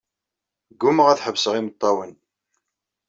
Ggumaɣ ad ḥebseɣ imeṭṭawen.